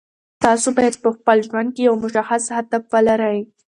تاسو باید په خپل ژوند کې یو مشخص هدف ولرئ.